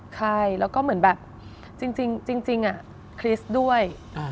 ใช่แล้วก็เหมือนแบบจริงคริสต์ด้วย